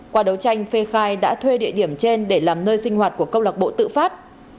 qua đấu tranh phê khai đã thuê địa điểm trên để làm nơi sinh hoạt của câu lạc bộ tự phát